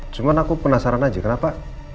cuma aku penasaran aja kenapa